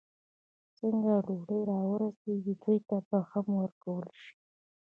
څنګه ډوډۍ را ورسېږي، دوی ته به هم ورکول شي.